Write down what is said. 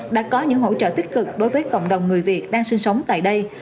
đã có những hỗ trợ tích cực đối với cộng đồng người việt đang sinh sống tại đây